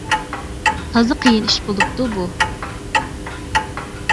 تازا قىيىن ئىش بولۇپتۇ بۇ!